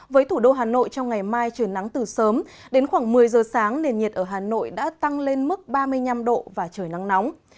với thủ đô hà nội trong ngày mai trời nắng từ sớm đến khoảng một mươi giờ sáng nền nhiệt ở hà nội đã tăng lên mức ba mươi năm độ và trời nắng nóng